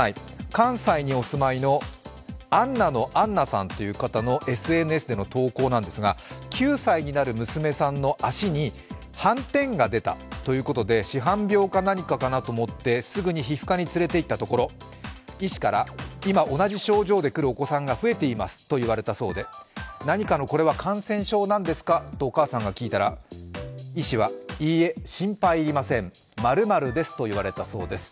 関西にお住まいのあんなのあんなさんという方のＳＮＳでの投稿なんですが９歳になる娘さんの足に斑点が出たということで、紫斑病か何かかなと思ってすぐに皮膚科に連れて行ったところ医師から、今同じ症状で来るお子さんが増えていますと言われたそうで、何かの感染症なんですかとお母さんが聞いたら医師は、いいえ、心配要りません、○○ですと言われたそうです。